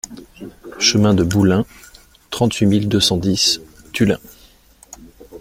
Chemin de Boulun, trente-huit mille deux cent dix Tullins